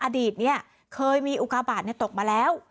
อดีตเนี่ยเคยมีอุกาบาทตกมาแล้ว